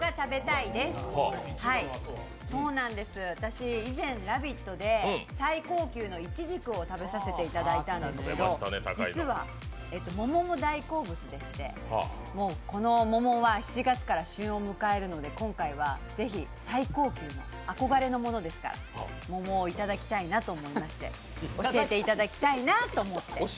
私、以前「ラヴィット！」で最高級のいちじくを食べさせていただいたんですけど、実は桃も大好物でしてもうこの桃は７月から旬を迎えるので今回はぜひ最高級の、憧れのものですから桃をいただきたいなと思いまして、教えていただきたいなと。